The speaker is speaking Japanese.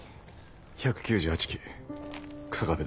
１９８期日下部だ。